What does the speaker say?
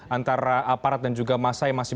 antara aparat dan juga masa yang masih